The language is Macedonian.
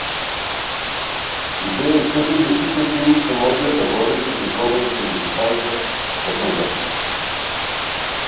Ги беа исцрпиле сите теми што можеа да го одржат разговорот помеѓу двајца непознати.